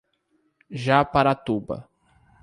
Japaratuba